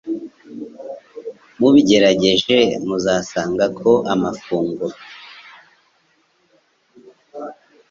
mubigerageje, muzasanga ko amafunguro